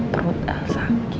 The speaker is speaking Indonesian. terut el sakit